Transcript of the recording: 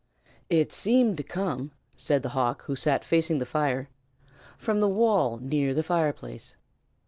"It seemed to come," said the hawk, who sat facing the fire, "from the wall near the fireplace."